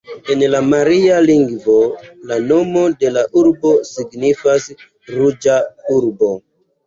En la maria lingvo la nomo de la urbo signifas “ruĝa urbo”.